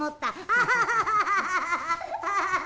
アハハアハハ。